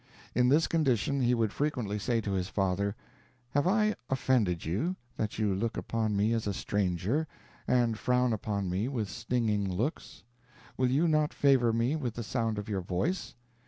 In this condition, he would frequently say to his father, "Have I offended you, that you look upon me as a stranger, and frown upon me with stinging looks? Will you not favor me with the sound of your voice?